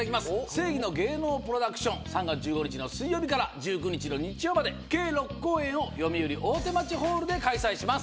『正偽の芸能プロダクション』３月１５日の水曜日から１９日の日曜まで計６公演をよみうり大手町ホールで開催します。